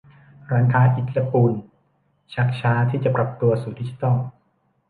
ร้านค้าอิฐและปูนชักช้าที่จะปรับตัวสู่ดิจิตอล